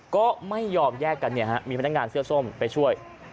ก็ไม่ยอมแยกกันมีพนักงานเสื้อส้มไปช่วย